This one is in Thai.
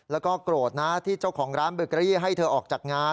แล้วก็โกรธนะที่เจ้าของร้านเบอร์เกอรี่ให้เธอออกจากงาน